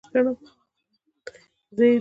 زه یې د یونلیک بدیل لفظ ګڼم.